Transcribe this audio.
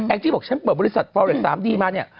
แองซี่บอกฉันเปิดบริษัทเฟอร์เหล็ก๓ดีมาเนี่ย